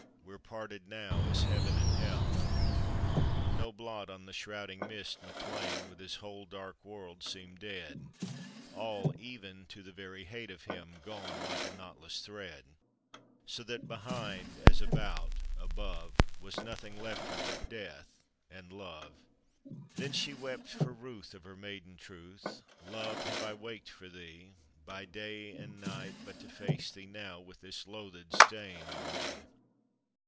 We're parted now as heaven and hell !" No blot on the shrouding mist, MacLean "With his whole dark world seemed dead, All, even to the very hate of him, Gone like a knotless thread, So that behind, as about, above, Was nothing left her but Death and Love. Then she wept for ruth of her maiden truth :" O Love, have I waked for thee By day and night, but to face thee now With this loathed stain on me?